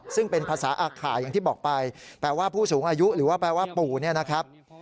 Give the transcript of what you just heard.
ซึ่งเป็นภาษาอาข่ายอย่างที่บอกไปแปลว่าผู้สูงอายุหรือว่าแปลว่าปู่เนี่ยนะครับ